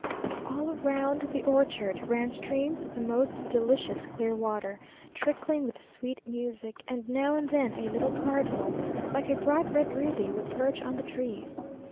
All round the orchard ran streams of the most delicious clear water, trickling with sweet music, and now and then a little cardinal, like a bright red ruby, would perch on the trees.